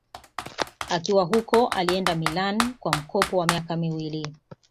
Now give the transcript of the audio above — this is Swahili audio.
Akiwa huko alienda Milan kwa mkopo kwa miaka miwili